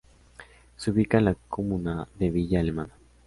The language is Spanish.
Se ubicaba en la comuna de Villa Alemana.